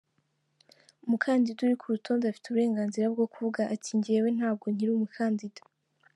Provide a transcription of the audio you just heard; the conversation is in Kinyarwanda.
Umukandida uri ku rutonde afite uburenganzira bwo kuvuga ati jyewe ntabwo nkiri umukandida.